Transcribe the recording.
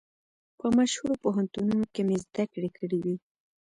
په مشهورو پوهنتونو کې مې زده کړې کړې وې.